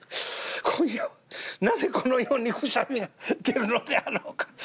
「今夜はなぜこのようにくしゃみが出るのであろうか。